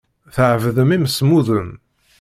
Tɛebdem imsemmuden.